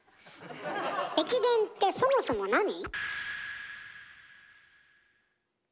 駅伝ってそもそもなに？